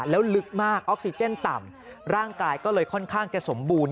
แล้วลึกมากออกซิเจนต่ำร่างกายก็เลยค่อนข้างจะสมบูรณ